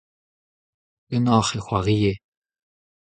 ganeoc'h e c'hoarie.